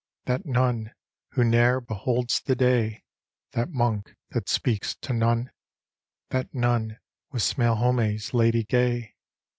That nun, who ne'er beholds the da^t That monk that speaks to none, — That Nun was Smaylho'me's Lady guy.